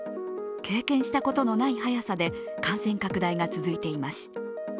経験したことのない速さで感染拡大が続いています。